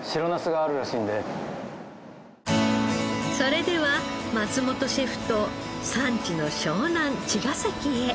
それでは松本シェフと産地の湘南・茅ヶ崎へ。